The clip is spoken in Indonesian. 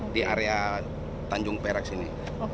di area tanjung perak sini